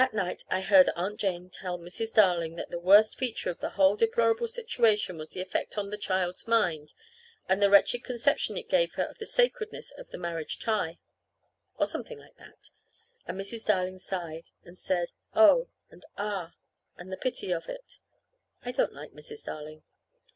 That night I heard Aunt Jane tell Mrs. Darling that the worst feature of the whole deplorable situation was the effect on the child's mind, and the wretched conception it gave her of the sacredness of the marriage tie, or something like that. And Mrs. Darling sighed, and said, oh, and ah, and the pity of it. I don't like Mrs. Darling.